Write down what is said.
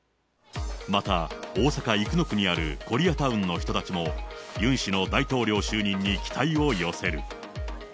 また、大阪・生野区にあるコリアタウンの人たちも、ユン氏の大統領就任に期待を寄せる。